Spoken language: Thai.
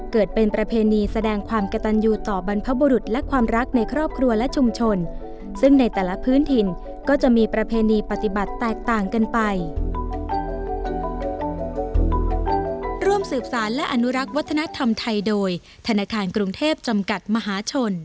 เกิดเป็นประเพณีแสดงความกระตันอยู่ต่อบรรพบุรุษและความรักในครอบครัวและชุมชนซึ่งในแต่ละพื้นถิ่นก็จะมีประเพณีปฏิบัติแตกต่างกันไป